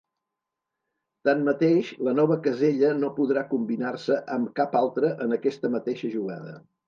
Tanmateix la nova casella no podrà combinar-se amb cap altre en aquesta mateixa jugada.